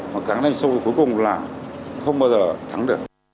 và càng đánh sâu thì cuối cùng là không bao giờ thắng được